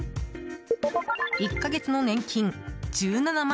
１か月の年金１７万